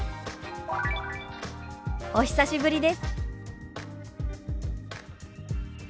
「お久しぶりです」。